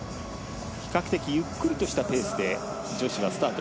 比較的ゆっくりとしたペースで女子はスタート。